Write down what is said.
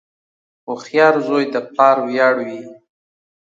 • هوښیار زوی د پلار ویاړ وي.